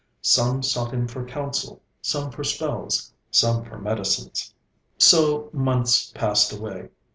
Some sought him for counsel, some for spells, some for medicines. So months passed away.